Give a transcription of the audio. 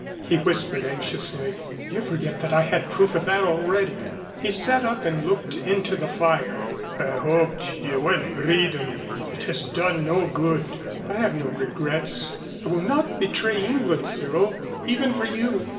he whispered anxiously. "You forget that I had proof of that already." He sat up and looked into the fire. "I hoped you wouldn't read 'em. It has done no good." "I have no regrets. I will not betray England, Cyril, even for you."